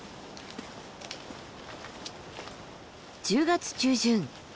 １０月中旬